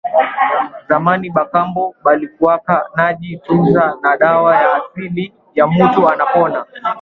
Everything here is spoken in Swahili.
Zamani ba kambo balikuwaka naji tunza na dawa ya asili na mutu anapona